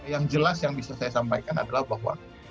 yang jelas yang bisa saya sampaikan adalah bahwa